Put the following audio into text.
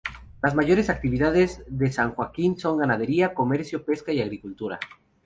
Las mayores actividades de San Joaquín son: ganadería, comercio, pesca y agricultura.